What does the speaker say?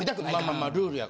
まあまあルールやからね。